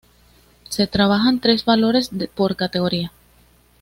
Se trabajan tres valores por categoría.